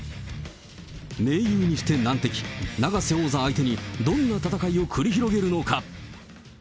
盟友にして難敵、永瀬王座相手にどんな戦いを繰り広げるのか。